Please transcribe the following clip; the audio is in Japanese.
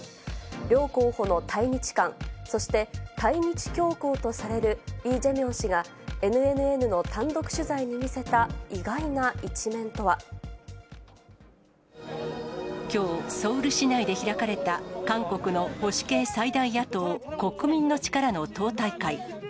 両候補の対日観、そして対日強硬とされるイ・ジェミョン氏が、ＮＮＮの単独取材にきょう、ソウル市内で開かれた韓国の保守系最大野党、国民の力の党大会。